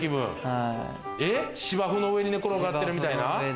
芝生の上に寝転がってるみたいな？